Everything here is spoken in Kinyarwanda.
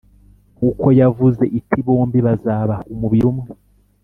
kuko yavuze iti bombi bazaba umubiri umwe